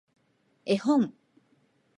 絵本